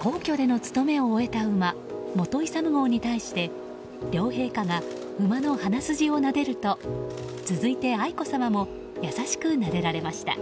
皇居での務めを終えた馬本勇号に対して両陛下が馬の鼻筋をなでると続いて、愛子さまも優しくなでられました。